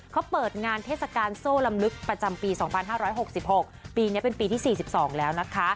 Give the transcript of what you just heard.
เขาเปิดงานเทศกาลโซ่ลำลึกประจำปี๒๕๖๖ปีนี้เป็นปีที่๔๒แล้วนะคะ